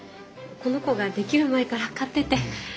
この子ができる前から飼ってて。